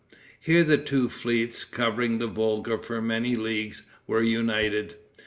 Here the two fleets, covering the Volga for many leagues, were united.